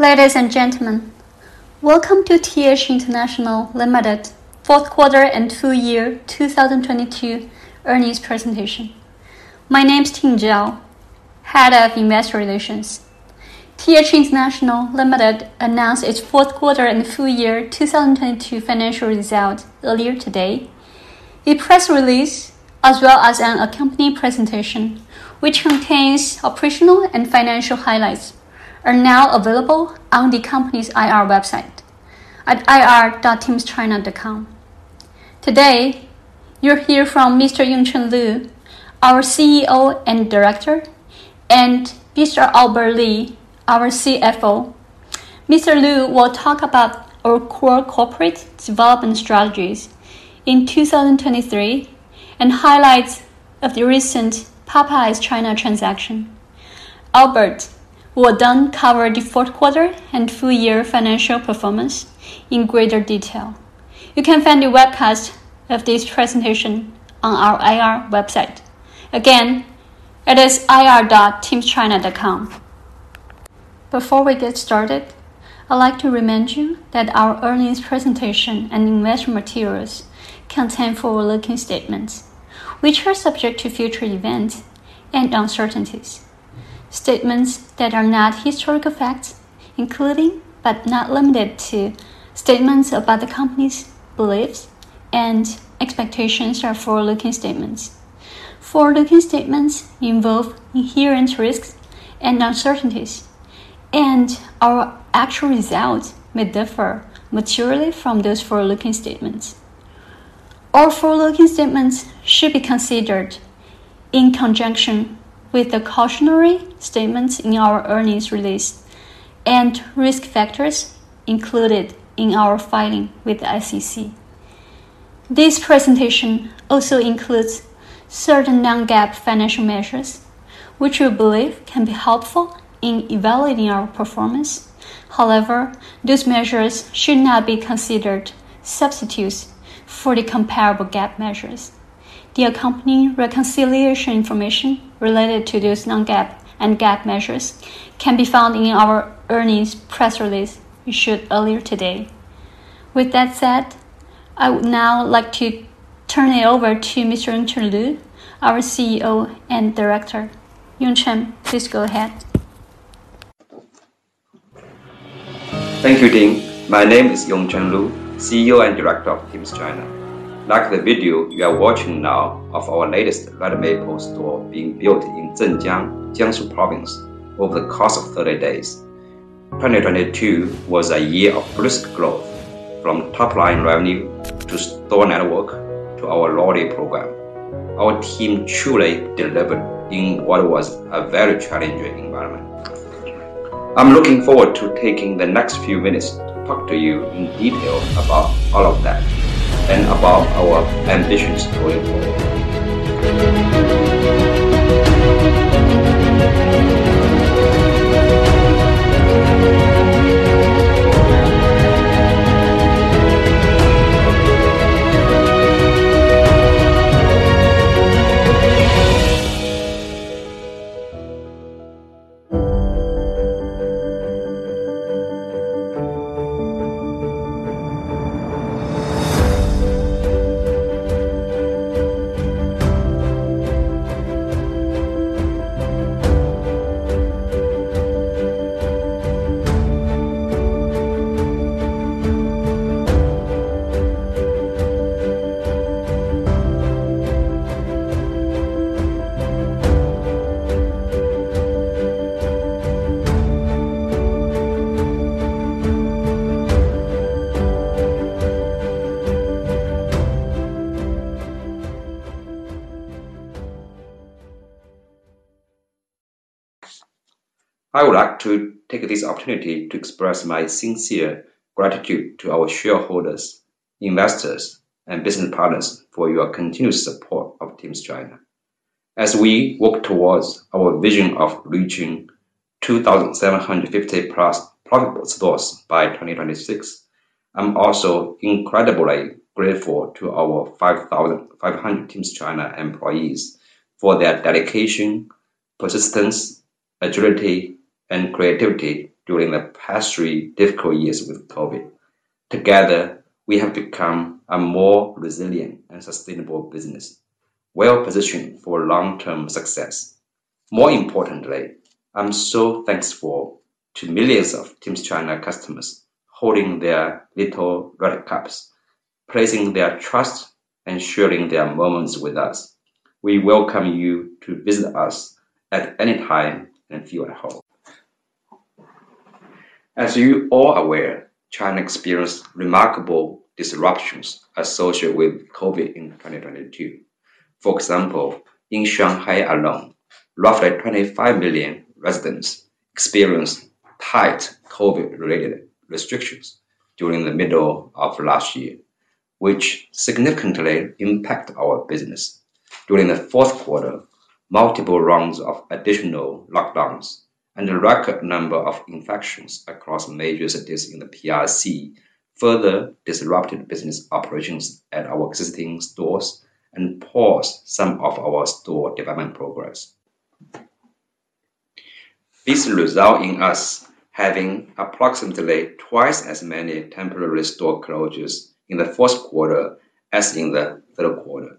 Ladies and gentlemen, welcome to TH International Limited Fourth Quarter and Full Year 2022 Earnings Presentation. My name is Ting Zhou, Head of Investor Relations. TH International Limited announced its fourth quarter and full year 2022 financial results earlier today. The press release as well as an accompanying presentation, which contains operational and financial highlights, are now available on the company's IR website at ir.timschina.com. Today, you'll hear from Mr. Yongchen Lu, our CEO and Director, and Mr. Albert Li, our CFO. Mr. Lu will talk about our core corporate development strategies in 2023 and highlights of the recent Popeyes China transaction. Albert will then cover the fourth quarter and full year financial performance in greater detail. You can find a webcast of this presentation on our IR website. Again, it is ir.timschina.com. Before we get started, I'd like to remind you that our earnings presentation and investment materials contain forward-looking statements, which are subject to future events and uncertainties. Statements that are not historical facts, including but not limited to statements about the company's beliefs and expectations are forward-looking statements. Forward-looking statements involve inherent risks and uncertainties, and our actual results may differ materially from those forward-looking statements. All forward-looking statements should be considered in conjunction with the cautionary statements in our earnings release and risk factors included in our filing with the SEC. This presentation also includes certain non-GAAP financial measures which we believe can be helpful in evaluating our performance. Those measures should not be considered substitutes for the comparable GAAP measures. The accompanying reconciliation information related to these non-GAAP and GAAP measures can be found in our earnings press release issued earlier today. With that said, I would now like to turn it over to Mr. Yongchen Lu, our CEO and director. Yongchen, please go ahead. Thank you, Ting. My name is Yongchen Lu, CEO and Director of Tims China. Like the video you are watching now of our latest Red Maple store being built in Zhenjiang, Jiangsu Province over the course of 30 days, 2022 was a year of brisk growth, from top-line revenue to store network to our loyalty program. Our team truly delivered in what was a very challenging environment. I'm looking forward to taking the next few minutes to talk to you in detail about all of that and about our ambitions going forward. I would like to take this opportunity to express my sincere gratitude to our shareholders, investors, and business partners for your continuous support of Tims China as we work towards our vision of reaching 2,750+ profitable stores by 2026. I'm also incredibly grateful to our 5,500 Tims China employees for their dedication, persistence, agility, and creativity during the past three difficult years with COVID. Together, we have become a more resilient and sustainable business, well-positioned for long-term success. More importantly, I'm so thankful to millions of Tims China customers holding their little red cups, placing their trust, and sharing their moments with us. We welcome you to visit us at any time and feel at home. As you all are aware, China experienced remarkable disruptions associated with COVID in 2022. For example, in Shanghai alone, roughly 25 million residents experienced tight COVID-related restrictions during the middle of last year, which significantly impact our business. During the fourth quarter, multiple rounds of additional lockdowns and a record number of infections across major cities in the PRC further disrupted business operations at our existing stores and paused some of our store development progress. This result in us having approximately twice as many temporary store closures in the fourth quarter as in the third quarter.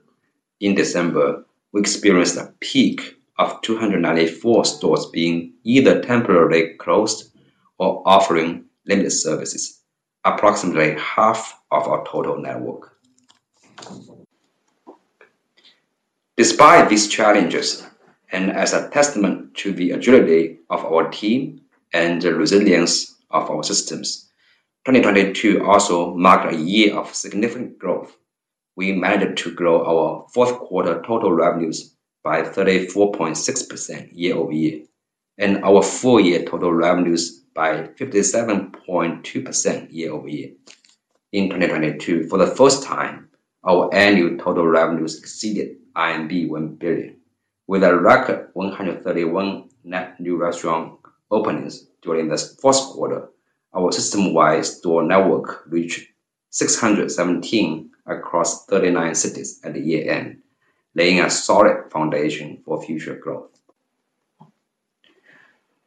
In December, we experienced a peak of 294 stores being either temporarily closed or offering limited services, approximately half of our total network. Despite these challenges, and as a testament to the agility of our team and the resilience of our systems, 2022 also marked a year of significant growth. We managed to grow our fourth quarter total revenues by 34.6% year-over-year, and our full year total revenues by 57.2% year-over-year. In 2022, for the first time, our annual total revenues exceeded 1 billion. With a record 131 net new restaurant openings during this fourth quarter, our system-wide store network reached 617 across 39 cities at the year-end, laying a solid foundation for future growth.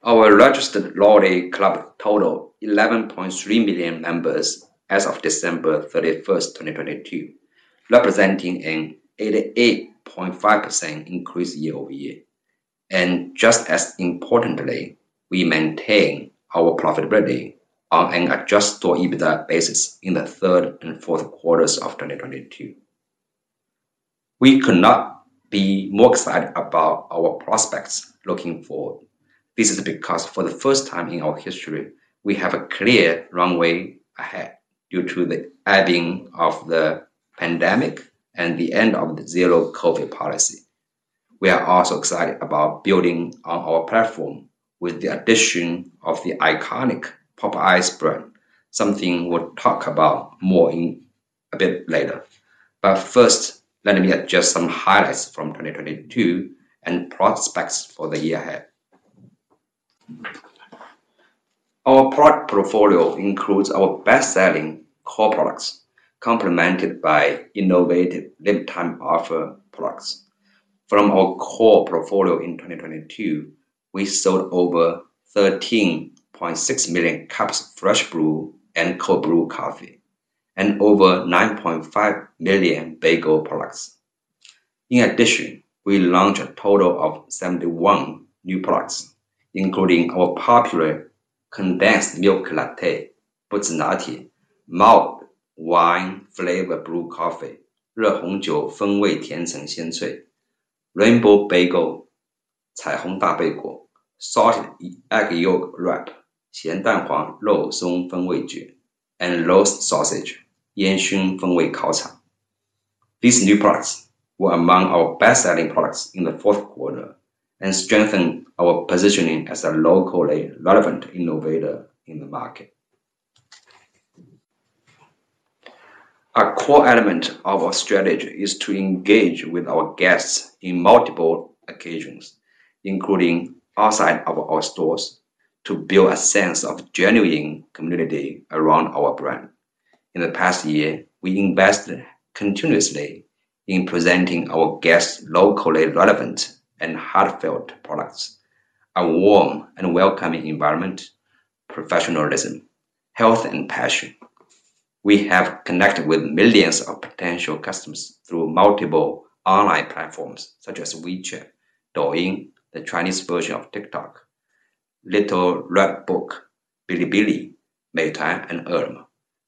Our registered loyalty club total 11.3 million members as of December 31st, 2022, representing an 88.5% increase year-over-year. Just as importantly, we maintain our profitability on an adjusted EBITDA basis in the third and fourth quarters of 2022. We could not be more excited about our prospects looking forward. This is because for the first time in our history, we have a clear runway ahead due to the ebbing of the pandemic and the end of the zero COVID policy. We are also excited about building on our platform with the addition of the iconic Popeyes brand, something we'll talk about more in a bit later. First, let me add just some highlights from 2022 and prospects for the year ahead. Our product portfolio includes our best-selling core products complemented by innovative limited time offer products. From our core portfolio in 2022, we sold over 13.6 million cups fresh brew and cold brew coffee and over 9.5 million bagel products. In addition, we launched a total of 71 new products, including our popular condensed milk latte, malt wine flavor brew coffee, rainbow bagel, salted egg yolk wrap, and roast sausage. These new products were among our best-selling products in the fourth quarter and strengthen our positioning as a locally relevant innovator in the market. A core element of our strategy is to engage with our guests in multiple occasions, including outside of our stores, to build a sense of genuine community around our brand. In the past year, we invested continuously in presenting our guests locally relevant and heartfelt products, a warm and welcoming environment, professionalism, health, and passion. We have connected with millions of potential customers through multiple online platforms such as WeChat, Douyin, the Chinese version of TikTok, Little Red Book, Bilibili, Meituan, and Ele.me.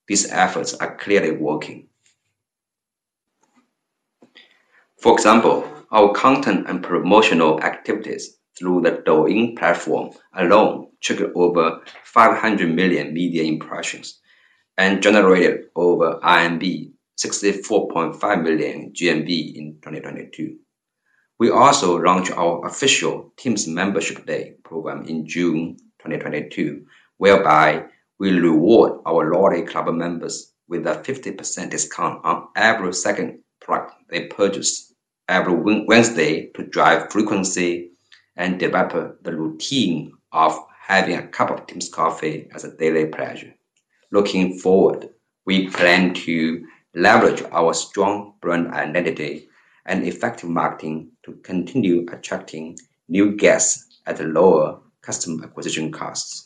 These efforts are clearly working. For example, our content and promotional activities through the Douyin platform alone triggered over 500 million media impressions and generated over RMB 64.5 million GTV in 2022. We also launched our official Tims Membership Day program in June 2022, whereby we reward our loyalty club members with a 50% discount on every second product they purchase every WE Wednesday to drive frequency and develop the routine of having a cup of Tims coffee as a daily pleasure. Looking forward, we plan to leverage our strong brand identity and effective marketing to continue attracting new guests at lower customer acquisition costs.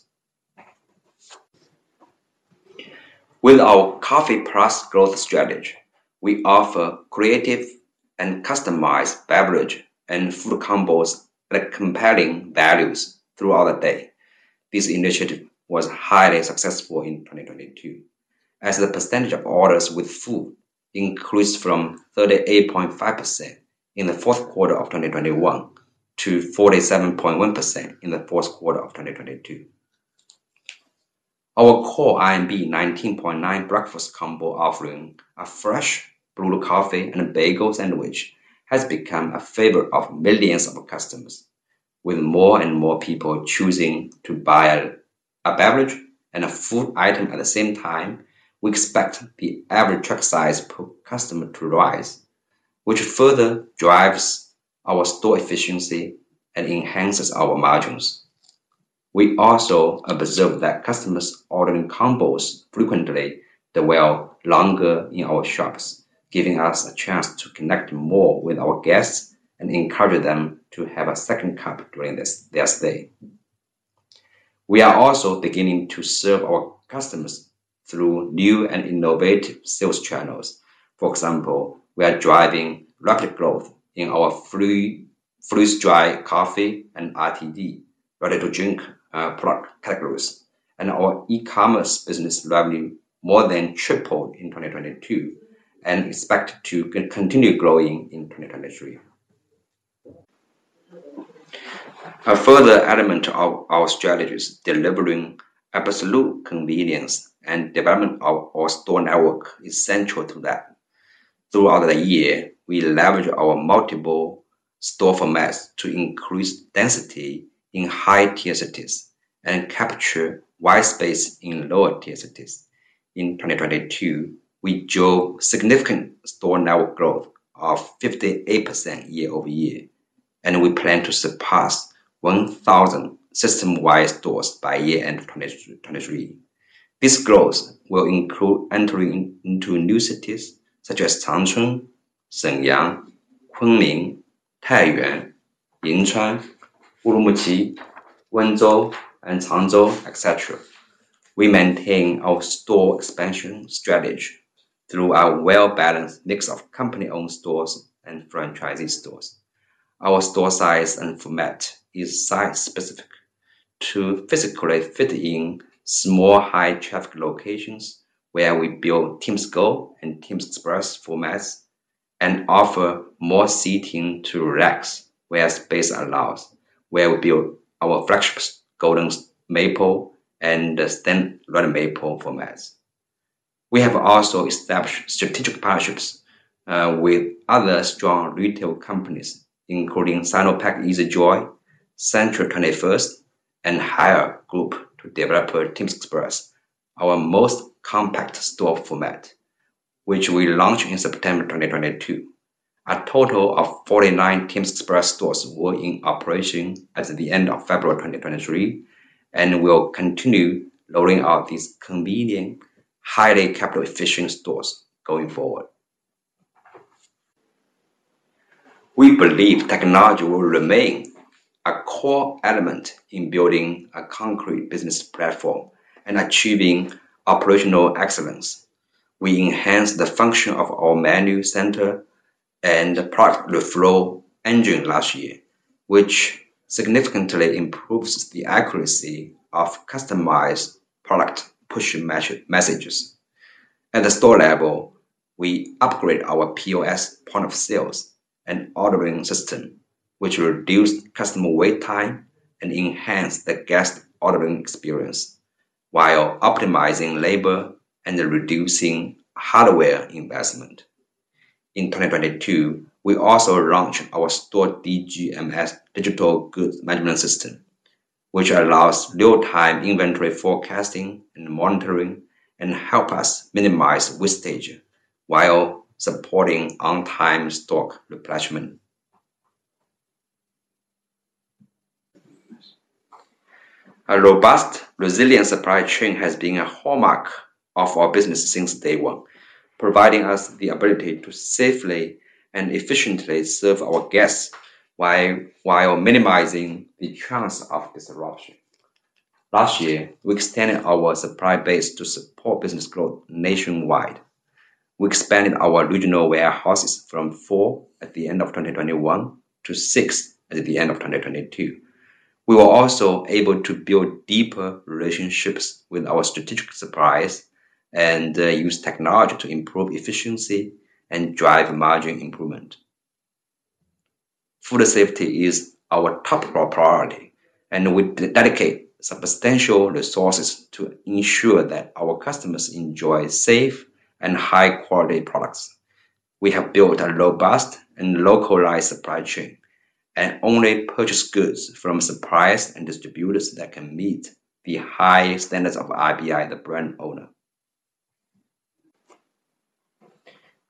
With our Coffee Plus growth strategy, we offer creative and customized beverage and food combos at compelling values throughout the day. This initiative was highly successful in 2022 as the percentage of orders with food increased from 38.5% in the fourth quarter of 2021 to 47.1% in the fourth quarter of 2022. Our core 19.9 breakfast combo offering a fresh brew coffee and a bagel sandwich has become a favorite of millions of our customers. With more and more people choosing to buy a beverage and a food item at the same time, we expect the average check size per customer to rise, which further drives our store efficiency and enhances our margins. We also observe that customers ordering combos frequently, they dwell longer in our shops, giving us a chance to connect more with our guests and encourage them to have a second cup during their stay. We are also beginning to serve our customers through new and innovative sales channels. For example, we are driving rapid growth in our freeze-dried coffee and RTD ready-to-drink product categories. Our e-commerce business revenue more than tripled in 2022 and expect to continue growing in 2023. A further element of our strategy is delivering absolute convenience and development of our store network is central to that. Throughout the year, we leveraged our multiple store formats to increase density in high tier cities and capture wide space in lower tier cities. In 2022, we drove significant store network growth of 58% year-over-year, and we plan to surpass 1,000 system-wide stores by year end of 2023. This growth will include entering into new cities such as Changchun, Shenyang, Kunming, Taiyuan, Yinchuan, Urumqi, Wenzhou, and Hangzhou, et cetera. We maintain our store expansion strategy through our well-balanced mix of company-owned stores and franchisee stores. Our store size and format is site-specific to physically fit in small, high traffic locations where we build Tims Go and Tims Express formats and offer more seating to relax where space allows, where we build our flagship Golden Maple and the standard Red Maple formats. We have also established strategic partnerships with other strong retail companies, including Sinopec Easy Joy, Century 21, and Haier Group to develop Tims Express, our most compact store format, which we launched in September 2022. A total of 49 Tims Express stores were in operation as of the end of February 2023 and will continue rolling out these convenient, highly capital efficient stores going forward. We believe technology will remain a core element in building a concrete business platform and achieving operational excellence. We enhanced the function of our menu center and product flow engine last year, which significantly improves the accuracy of customized product push messages. At the store level, we upgrade our POS, point of sales, and ordering system, which reduce customer wait time and enhance the guest ordering experience while optimizing labor and reducing hardware investment. In 2022, we also launched our store DGMS, digital goods management system, which allows real-time inventory forecasting and monitoring and help us minimize wastage while supporting on-time stock replenishment. A robust, resilient supply chain has been a hallmark of our business since day one, providing us the ability to safely and efficiently serve our guests while minimizing the chance of disruption. Last year, we extended our supply base to support business growth nationwide. We expanded our regional warehouses from four at the end of 2021 to six at the end of 2022. We were also able to build deeper relationships with our strategic suppliers and use technology to improve efficiency and drive margin improvement. Food safety is our top priority, and we dedicate substantial resources to ensure that our customers enjoy safe and high quality products. We have built a robust and localized supply chain and only purchase goods from suppliers and distributors that can meet the high standards of RBI, the brand owner.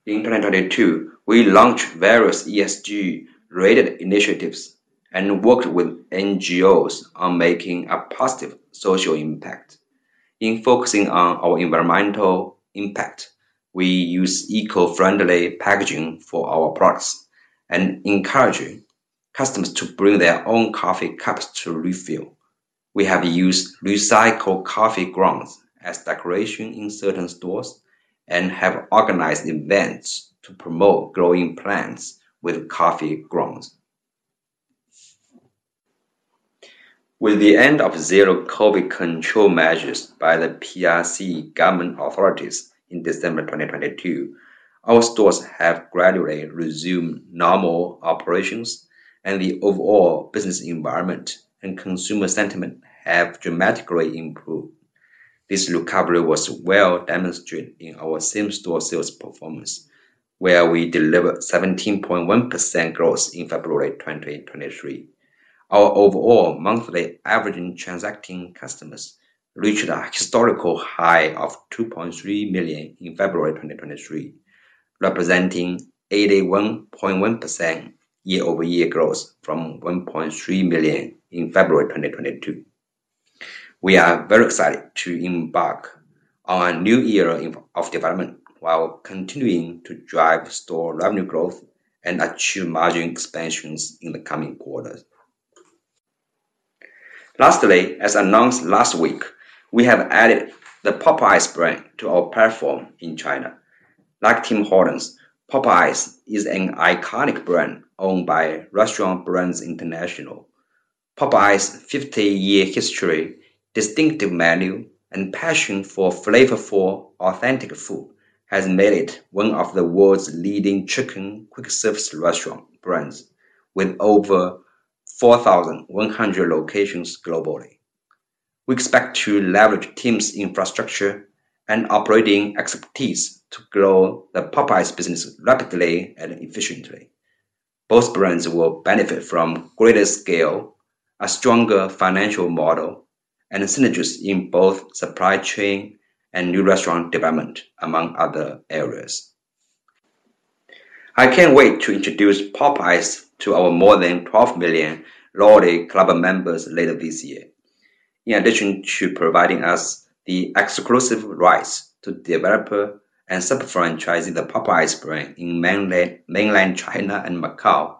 In 2022, we launched various ESG-related initiatives and worked with NGOs on making a positive social impact. In focusing on our environmental impact, we use eco-friendly packaging for our products and encouraging customers to bring their own coffee cups to refill. We have used recycled coffee grounds as decoration in certain stores and have organized events to promote growing plants with coffee grounds. With the end of zero COVID control measures by the PRC government authorities in December 2022, our stores have gradually resumed normal operations and the overall business environment and consumer sentiment have dramatically improved. This recovery was well demonstrated in our same-store sales performance, where we delivered 17.1% growth in February 2023. Our overall monthly average in transacting customers reached a historical high of 2.3 million in February 2023, representing 81.1% year-over-year growth from 1.3 million in February 2022. We are very excited to embark on a new era of development while continuing to drive store revenue growth and achieve margin expansions in the coming quarters. Lastly, as announced last week, we have added the Popeyes brand to our platform in China. Like Tim Hortons, Popeyes is an iconic brand owned by Restaurant Brands International. Popeyes' 50-year history, distinctive menu, and passion for flavorful, authentic food has made it one of the world's leading chicken quick service restaurant brands with over 4,100 locations globally. We expect to leverage Tim's infrastructure and operating expertise to grow the Popeyes business rapidly and efficiently. Both brands will benefit from greater scale, a stronger financial model, and synergies in both supply chain and new restaurant development, among other areas. I can't wait to introduce Popeyes to our more than 12 million loyalty club members later this year. In addition to providing us the exclusive rights to develop and sub-franchising the Popeyes brand in mainland China and Macau,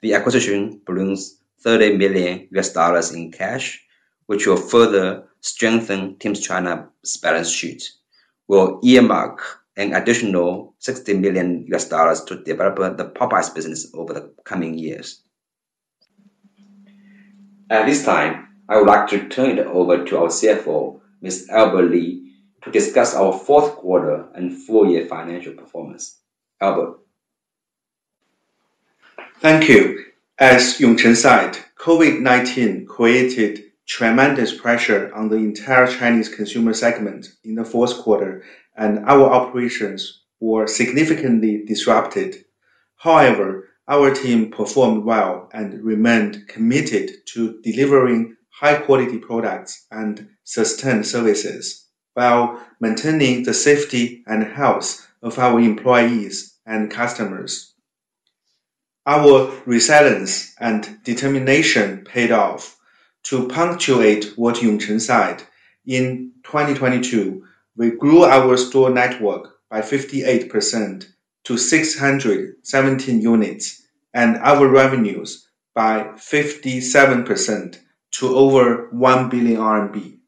the acquisition brings $30 million in cash, which will further strengthen Tims China's balance sheet. We'll earmark an additional $60 million to develop the Popeyes business over the coming years. At this time, I would like to turn it over to our CFO, Mr. Albert Li, to discuss our fourth quarter and full year financial performance. Albert. Thank you. As Yongchen said, COVID-19 created tremendous pressure on the entire Chinese consumer segment in the fourth quarter, and our operations were significantly disrupted. However, our team performed well and remained committed to delivering high quality products and sustained services while maintaining the safety and health of our employees and customers. Our resilience and determination paid off. To punctuate what Yongchen said, in 2022, we grew our store network by 58% to 617 units and our revenues by 57% to over 1 billion RMB.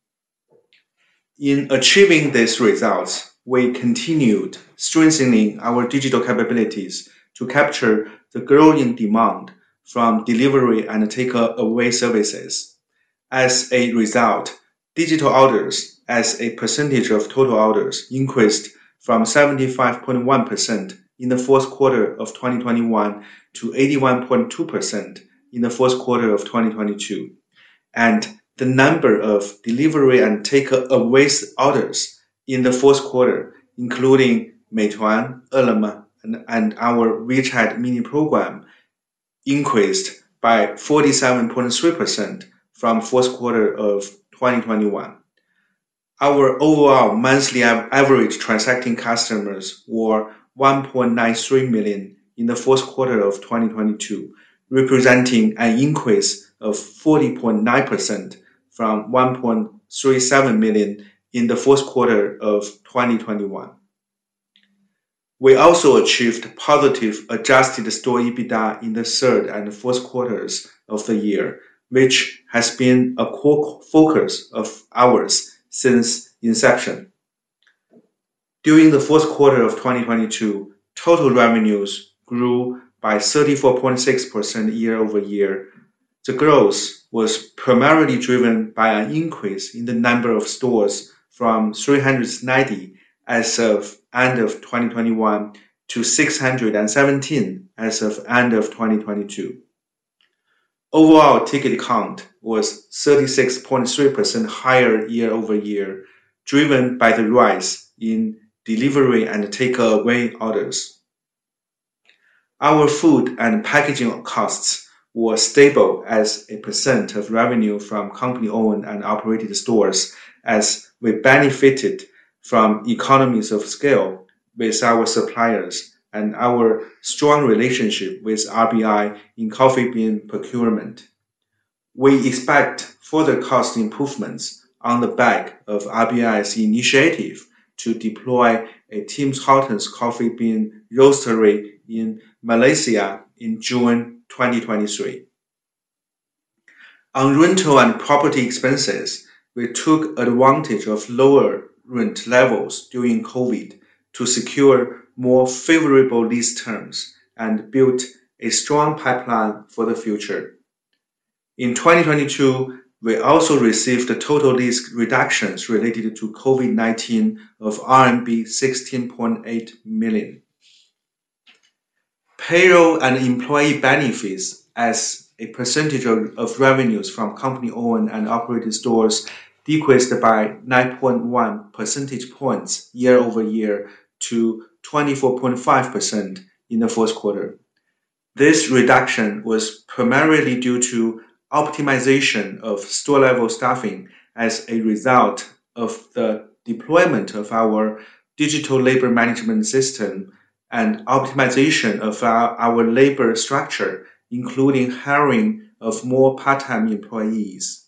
In achieving these results, we continued strengthening our digital capabilities to capture the growing demand from delivery and takeaway services. As a result, digital orders as a percentage of total orders increased from 75.1% in the fourth quarter of 2021 to 81.2% in the fourth quarter of 2022. The number of delivery and takeaway orders in the fourth quarter, including Meituan, Ele.me, and our WeChat Mini Program, increased by 47.3% from fourth quarter of 2021. Our overall monthly average transacting customers were 1.93 million in the fourth quarter of 2022, representing an increase of 40.9% from 1.37 million in the fourth quarter of 2021. We also achieved positive adjusted store EBITDA in the third and fourth quarters of the year, which has been a core focus of ours since inception. During the fourth quarter of 2022, total revenues grew by 34.6% year-over-year. The growth was primarily driven by an increase in the number of stores from 390 as of end of 2021 to 617 as of end of 2022. Overall ticket count was 36.3% higher year-over-year, driven by the rise in delivery and takeaway orders. Our food and packaging costs were stable as a percent of revenue from company-owned and operated stores as we benefited from economies of scale with our suppliers and our strong relationship with RBI in coffee bean procurement. We expect further cost improvements on the back of RBI's initiative to deploy a Tim Hortons coffee bean roastery in Malaysia in June 2023. On rental and property expenses, we took advantage of lower rent levels during COVID to secure more favorable lease terms and built a strong pipeline for the future. In 2022, we also received the total lease reductions related to COVID-19 of RMB 16.8 million. Payroll and employee benefits as a percentage of revenues from company-owned and operated stores decreased by 9.1 percentage points year-over-year to 24.5% in the fourth quarter. This reduction was primarily due to optimization of store-level staffing as a result of the deployment of our digital labor management system. Optimization of our labor structure, including hiring of more part-time employees.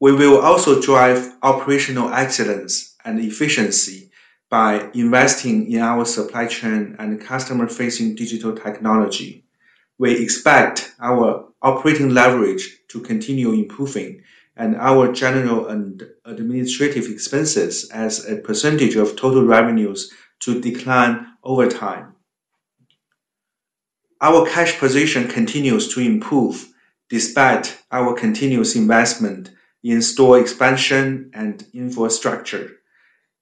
We will also drive operational excellence and efficiency by investing in our supply chain and customer-facing digital technology. We expect our operating leverage to continue improving and our general and administrative expenses as a percentage of total revenues to decline over time. Our cash position continues to improve despite our continuous investment in store expansion and infrastructure.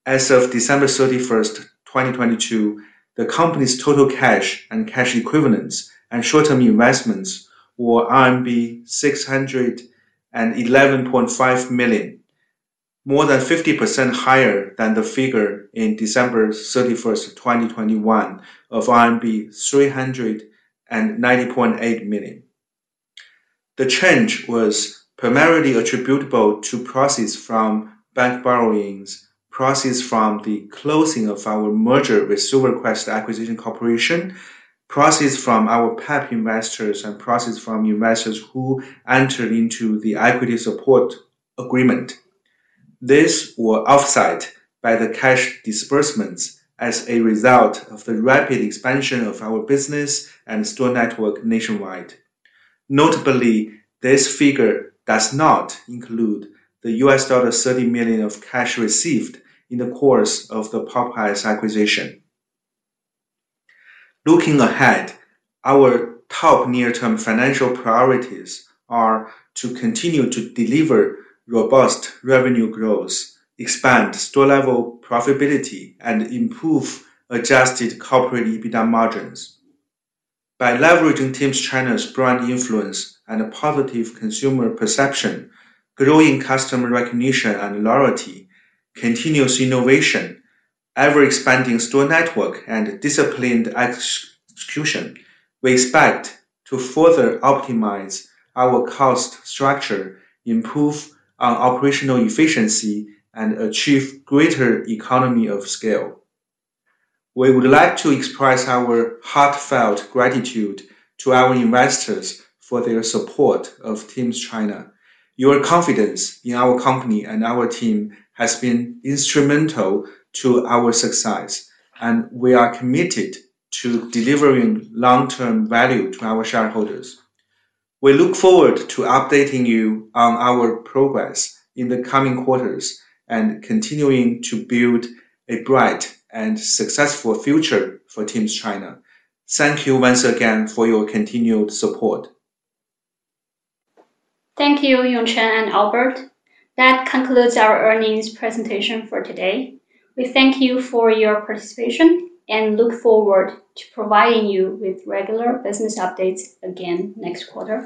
As of December 31, 2022, the company's total cash and cash equivalents and short-term investments were RMB 611.5 million, more than 50% higher than the figure in December 31, 2021 of RMB 390.8 million. The change was primarily attributable to proceeds from bank borrowings, proceeds from the closing of our merger with Silver Crest Acquisition Corporation, proceeds from our pack investors, and proceeds from investors who entered into the Equity Support Agreement. This were offset by the cash disbursements as a result of the rapid expansion of our business and store network nationwide. Notably, this figure does not include the $30 million of cash received in the course of the Popeyes acquisition. Looking ahead, our top near-term financial priorities are to continue to deliver robust revenue growth, expand store-level profitability, and improve adjusted corporate EBITDA margins. By leveraging Tims China's brand influence and a positive consumer perception, growing customer recognition and loyalty, continuous innovation, ever-expanding store network, and disciplined execution, we expect to further optimize our cost structure, improve our operational efficiency, and achieve greater economy of scale. We would like to express our heartfelt gratitude to our investors for their support of Tims China. Your confidence in our company and our team has been instrumental to our success, and we are committed to delivering long-term value to our shareholders. We look forward to updating you on our progress in the coming quarters and continuing to build a bright and successful future for Tims China. Thank you once again for your continued support. Thank you, Yongchen and Albert. That concludes our earnings presentation for today. We thank you for your participation and look forward to providing you with regular business updates again next quarter.